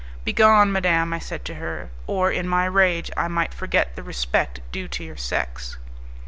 "Begone, madam," I said to her, "or, in my rage, I might forget the respect due to your sex."